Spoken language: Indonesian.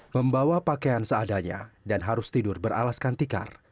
membawa pakaian seadanya dan harus tidur beralaskan tikar